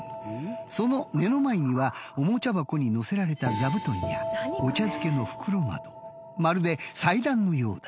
その目の前にはおもちゃ箱に載せられた座布団やお茶漬けの袋などまるで祭壇のようだ。